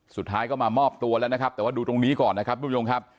สุดท้ายก็มามอบตัวแล้วนะครับแต่ว่าดูตรงนี้ก่อนนะครับทุกผู้ชมครับ